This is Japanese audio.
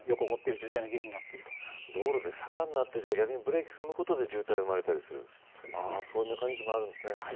道路で坂になってブレーキが踏むことによって渋滞が生まれるそういうメカニズムがあるんですね。